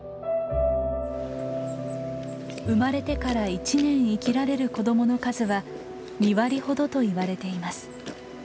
生まれてから１年生きられる子どもの数は２割ほどといわれています。